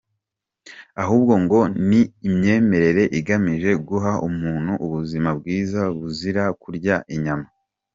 Ahubwo ngo ni imyemerere igamije guha umuntu ubuzima bwiza buzira kurya inyama.